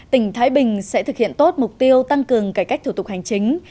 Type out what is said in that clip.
tỉnh thái bình sẽ thực hiện tốt mục tiêu tăng cường cải cách thủ tục hành chính